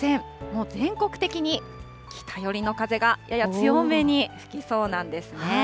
もう全国的に北寄りの風がやや強めに吹きそうなんですね。